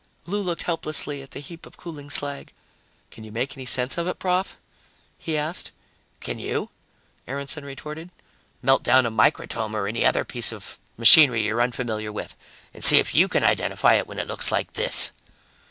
Lou looked helplessly at the heap of cooling slag. "Can you make any sense of it, Prof?" he asked. "Can you?" Aaronson retorted. "Melt down a microtome or any other piece of machinery you're unfamiliar with, and see if you can identify it when it looks like this."